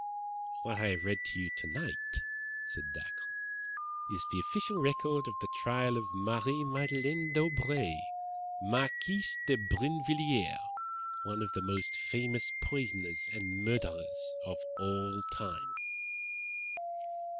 "What I have read to you tonight," said Dacre, "is the official record of the trial of Marie Madeleine d'Aubray, Marquise de Brinvilliers, one of the most famous poisoners and murderers of all time."